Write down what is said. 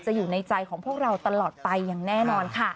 อยู่ในใจของพวกเราตลอดไปอย่างแน่นอนค่ะ